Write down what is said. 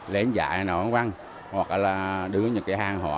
lén dạy nổ văn hoặc đưa ra những kẻ hàng hóa